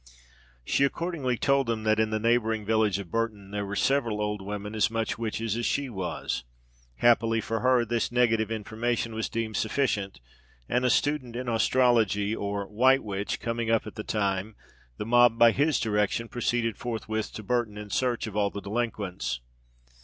She accordingly told them that, in the neighbouring village of Burton, there were several old women as "much witches as she was." Happily for her, this negative information was deemed sufficient, and a student in astrology, or "white witch," coming up at the time, the mob, by his direction, proceeded forthwith to Burton in search of all the delinquents.